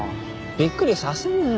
びっくりさせるなよ